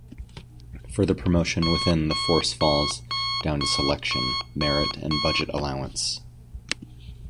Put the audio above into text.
Further promotion within the force falls down to selection, merit and budget allowance.